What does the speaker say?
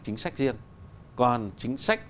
chính sách riêng còn chính sách